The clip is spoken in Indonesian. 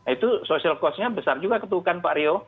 itu sosial costnya besar juga